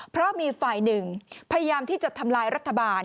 เพราะมีฝ่ายหนึ่งพยายามที่จะทำลายรัฐบาล